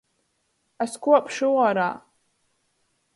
Es kuopšu uorā!